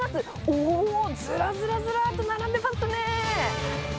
おー、ずらずらずらっと並んでますね。